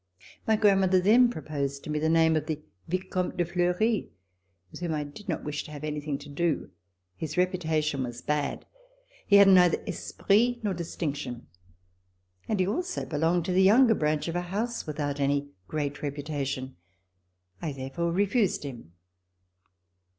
My grandmother then proposed to me the name of the Vicomte de Fleury, with whom I did not wish to have an^^thing to do. His reputation was bad. He had neither esprit nor distinction, and he also be longed to the younger branch of a house without any great reputation. I therefore refused him.